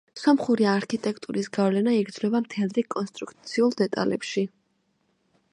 სომხური არქიტექტურის გავლენა იგრძნობა მთელ რიგ კონსტრუქციულ დეტალებში.